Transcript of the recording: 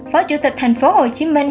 phó chủ tịch tp hồ chí minh